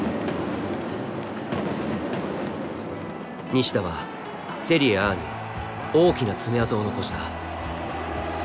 西田はセリエＡに大きな爪痕を残した。